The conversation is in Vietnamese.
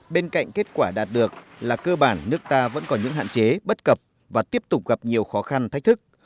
bên cạnh kết quả đạt được là cơ bản nước ta vẫn còn những hạn chế bất cập và tiếp tục gặp nhiều khó khăn thách thức